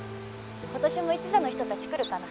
今年も一座の人たち来るかな？